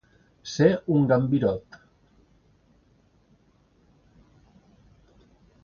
Ser un gambirot.